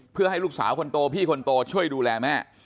เพื่อให้ลูกสาวคนโตพี่คนโตช่วยดูแลแม่